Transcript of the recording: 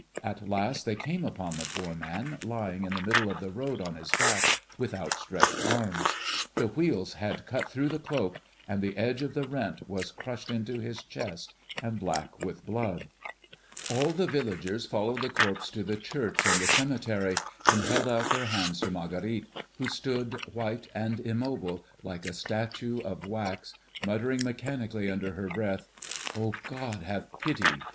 At last they came upon the poor man lying in the middle of the road on his back with outstretched arms. The wheels had cut through the cloak and the edge of the rent was crushed into his chest and black with blood. All the villagers followed the corpse to the church and the cemetery, and held out their hands to Marguerite, who stood white and immobile, like a statue of wax, muttering mechanically under her breath, "O God, have pity!